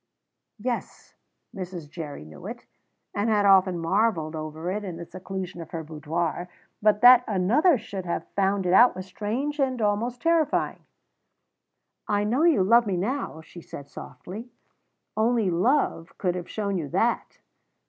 Yes, Mrs. Jerry knew it, and had often marvelled over it in the seclusion of her boudoir; but that another should have found it out was strange and almost terrifying. "I know you love me now," she said softly. "Only love could have shown you that.